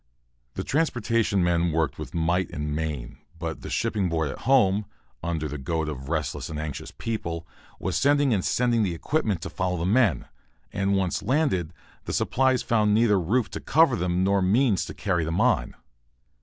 The transportation men worked with might and main, but the Shipping Board at home, under the goad of restless and anxious people, was sending and sending the equipment to follow the men. And once landed, the supplies found neither roof to cover them nor means to carry them on.